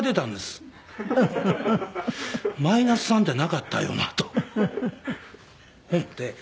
マイナス３ってなかったよなと思って。